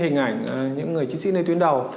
hình ảnh những người chiến sĩ lên tuyến đầu